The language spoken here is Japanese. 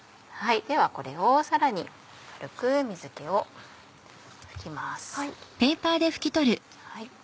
ではこれをさらに軽く水気を拭きます。